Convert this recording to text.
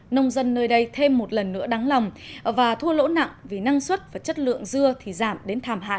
nông dân nơi đây thêm một lần nữa đáng lòng và thua lỗ nặng vì năng suất và chất lượng dưa thì giảm đến thảm hạn